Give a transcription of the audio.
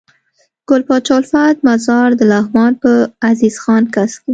ګل پاچا الفت مزار دلغمان په عزيز خان کځ کي